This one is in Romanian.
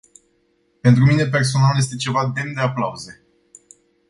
Pentru mine personal, este ceva demn de aplauze.